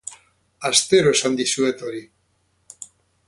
Astero esan dizuet hori.